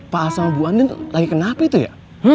pak as sama bu anden lagi kenapa itu ya